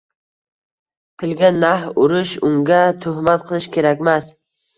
Tilga nah urish, unga tuhmat qilish kerakmas